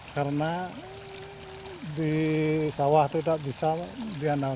karena di sawah ini saya juga kerja bangunan